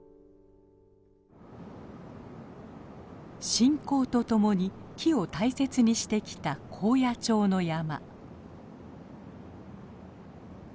信仰とともに木を大切にしてきた高野町の山。